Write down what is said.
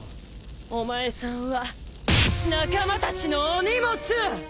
お前さんは仲間たちのお荷物！